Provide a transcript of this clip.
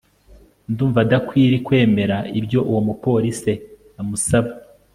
Ndumva Adakwirie Kwemera Ibyo Uwom Polic eAmusaba